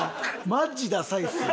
マジダサいっすよ。